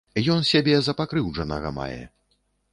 Ён сябе за пакрыўджанага мае.